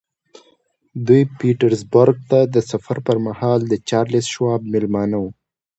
دوی پیټرزبورګ ته د سفر پر مهال د چارلیس شواب مېلمانه وو